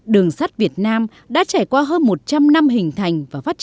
đường sát việt nam đã trải qua hơn một trăm linh năm hình thành